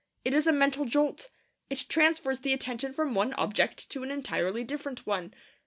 It is a mental jolt. It transfers the attention from one object to an entirely different one.